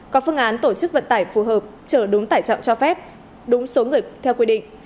có phương án tổ chức vận tải phù hợp trở đúng tải trọng cho phép đúng số người theo quy định